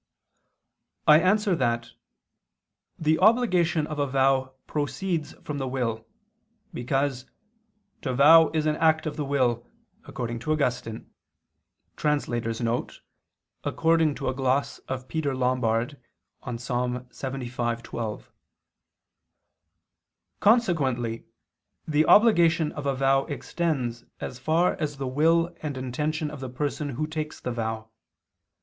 I answer that, The obligation of a vow proceeds from the will: because "to vow is an act of the will" according to Augustine [*Gloss of Peter Lombard on Ps. 75:12]. Consequently the obligation of a vow extends as far as the will and intention of the person who takes the vow.